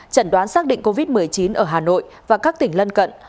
chẩn đoán xác định covid một mươi chín ở hà nội và các tỉnh lân cận